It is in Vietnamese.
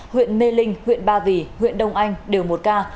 huyện mê linh huyện ba vì huyện đông anh đều một ca